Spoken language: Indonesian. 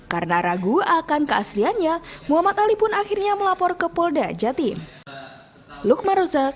karena ragu akan keasliannya muhammad ali pun akhirnya melapor ke polda jatim